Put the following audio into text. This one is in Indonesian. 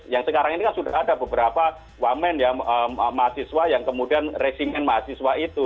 yang sekarang ini kan sudah ada beberapa wamen ya mahasiswa yang kemudian resimen mahasiswa itu